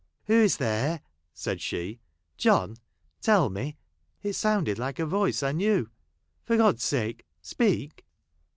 " Who is there ?" said she. " John, tell me '— it sounded like a voice I knew. For God's sake, speak."